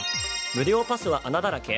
無料パスは穴だらけ？